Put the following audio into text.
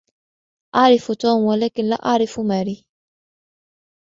أعرف توم ولكن لا أعرف ماري.